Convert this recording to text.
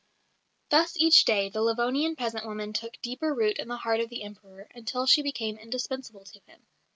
Thus each day the Livonian peasant woman took deeper root in the heart of the Emperor, until she became indispensable to him.